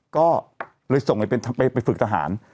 ก็เลยส่งไปฝึกทหาร